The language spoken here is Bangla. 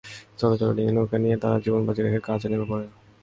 ছোট ছোট ডিঙি নৌকা নিয়ে তারা জীবনবাজি রেখে কাজে নেমে পড়ে।